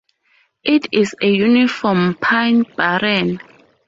It is a uniform pine barren.